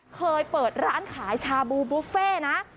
เคยเปิดร้านขายชาบูบุฟเฟ่นะ